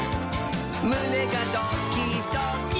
むねがドキドキ！」